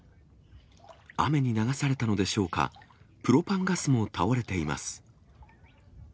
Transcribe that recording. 雨に流されたのでしょうか、プロパンガスも倒れています。